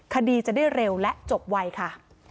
คดีจะได้เร็วและจบไวค่ะ